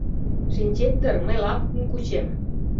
— Шинчет дыр, мый лапкым кучем.